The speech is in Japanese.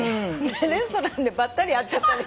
レストランでばったり会っちゃったり。